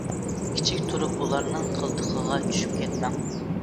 كىچىك تۇرۇپ ئۇلارنىڭ قىلتىقىغا چۈشۈپ كەتمەڭ.